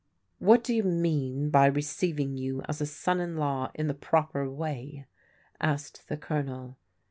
A\liat do yoa mean by receiving yoa as a son in law in the proper way ?" asked the Colonel.